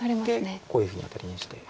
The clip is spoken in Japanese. でこういうふうにアタリにして。